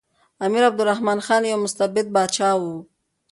امیر عبدالرحمن خان یو مستبد پاچا و.